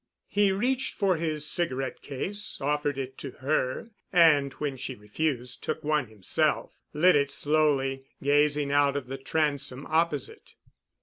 He reached for his cigarette case, offered it to her, and, when she refused, took one himself, lit it slowly, gazing out of the transom opposite.